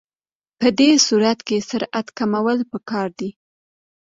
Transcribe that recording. په دې صورت کې سرعت کمول پکار دي